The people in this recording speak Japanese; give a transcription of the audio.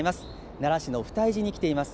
奈良市の不退寺に来ています。